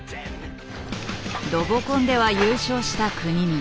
ロボコンでは優勝した國見。